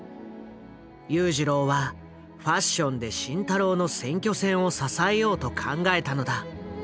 裕次郎はファッションで慎太郎の選挙戦を支えようと考えたのだ。